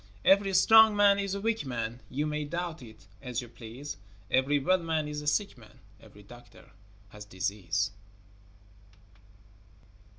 Every strong man is a weak man, You may doubt it as you please, Every well man is a sick man, Every doctor has disease.